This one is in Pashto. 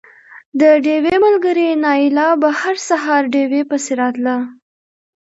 د ډېوې ملګرې نايله به هر سهار ډېوې پسې راتله